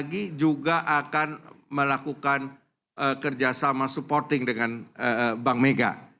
lagi juga akan melakukan kerjasama supporting dengan bank mega